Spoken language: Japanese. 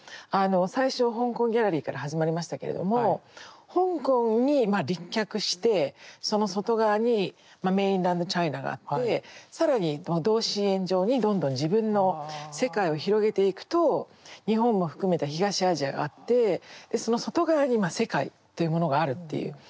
最初香港ギャラリーから始まりましたけれども香港にまあ立脚してその外側にメインランドチャイナがあって更に同心円状にどんどん自分の世界を広げていくと日本も含めた東アジアがあってその外側にまあ世界というものがあるっていう。